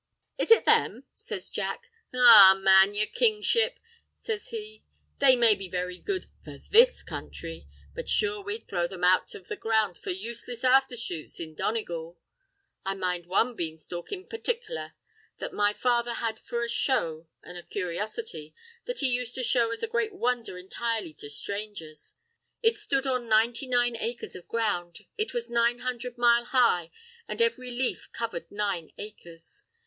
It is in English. "Is it them?" says Jack. "Arrah, man, yer Kingship," says he, "they may be very good—for this counthry; but sure we'd throw them out of the ground for useless afther shoots in Donegal. I mind one beanstalk in partickler, that my father had for a show an' a cur'osity, that he used to show as a great wondher entirely to sthrangers. It stood on ninety nine acres of ground, it was nine hundred mile high, an' every leaf covered nine acres.